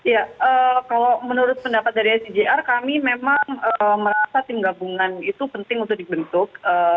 ya kalau menurut pendapat dari sdr kami memang merasa tim gabungan itu penting untuk dibentuk